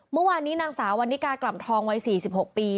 เมื่อวานนี้นางสาววันนิกากล่ำทองวัย๔๖ปี